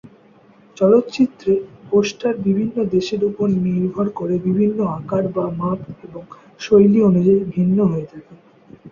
চলচ্চিত্রে পোস্টার বিভিন্ন দেশের উপর নির্ভর করে বিভিন্ন আকার বা মাপ এবং শৈলী অনুযায়ী ভিন্ন হয়ে থাকে।